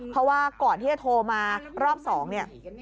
เพราะว่าก่อนที่จะโทรมารอบ๒เนี่ย